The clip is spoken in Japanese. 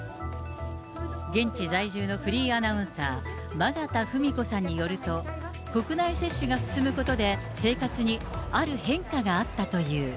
現地在住のフリーアナウンサー、眞方富美子さんによると、国内接種が進むことで、生活にある変化